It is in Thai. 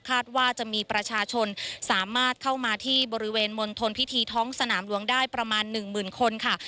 ว่าจะมีประชาชนสามารถเข้ามาที่บริเวณมณฑลพิธีท้องสนามหลวงได้ประมาณหนึ่งหมื่นคนค่ะ